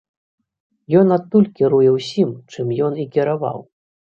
Ён адтуль кіруе ўсім, чым ён і кіраваў!